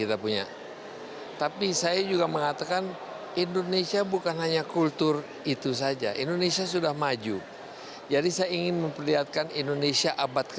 itu bisa datang dari mana mana saja kenapa tidak dari indonesia